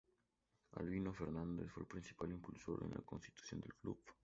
Albino Fernández fue el principal impulsor en la constitución del Club.